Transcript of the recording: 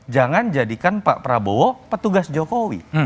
jangan jadikan pak prabowo petugas jokowi